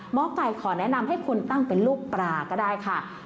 หมอไก่ขอแนะนำให้คุณตั้งเป็นลูกปลาก็ได้ค่ะ